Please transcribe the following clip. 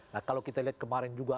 nah kalau kita lihat kemarin juga